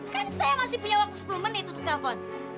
kan saya masih punya waktu sepuluh menit untuk telepon